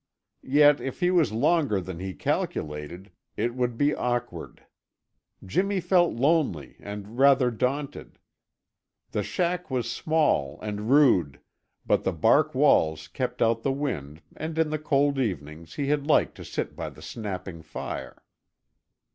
Yet if he was longer than he calculated, it would be awkward. Jimmy felt lonely and rather daunted. The shack was small and rude, but the bark walls kept out the wind and in the cold evenings he had liked to sit by the snapping fire.